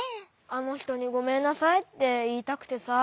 あのひとにごめんなさいっていいたくてさ。